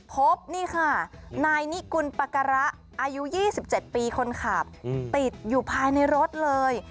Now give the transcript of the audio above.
พบนี่ค่ะนายนิกุลปการะอายุ๒๗ปีคนขับติดอยู่ภายในรถเลย